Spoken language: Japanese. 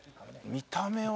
見た目は。